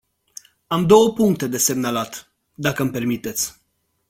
Am două puncte de semnalat, dacă îmi permiteți.